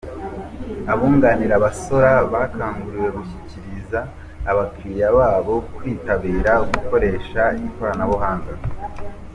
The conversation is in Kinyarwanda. Abunganira abasora bakanguriwe gushishikariza aba clients babo kwitabira gukoresha ikoranabuhanga.